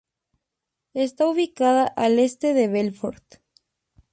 Está ubicada a al este de Belfort.